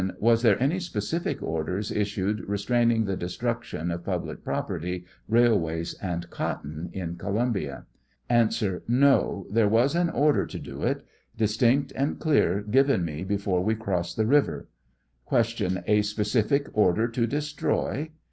Was there any specific orders issued restraining the destruction of public property, railways, and cotton in Columbia ? 6 66 A. iN'o ; there was an order to do it ; distinct and clear, given me before we crossed the river. Q. A specific order to destroy